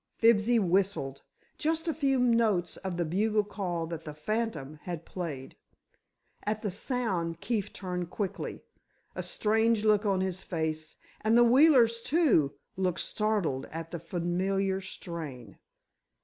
Fibsy whistled—just a few notes of the bugle call that the "phantom" had played. At the sound Keefe turned quickly, a strange look on his face, and the Wheelers, too, looked startled at the familiar strain.